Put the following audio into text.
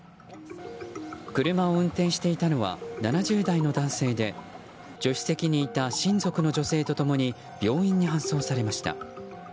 車を運転していたのは７０代の男性で助手席にいた親族の女性と共に病院に搬送されました。